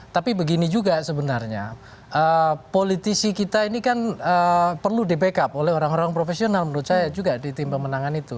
tapi begini juga sebenarnya politisi kita ini kan perlu di backup oleh orang orang profesional menurut saya juga di tim pemenangan itu